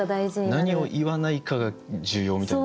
何を言わないかが重要みたいな。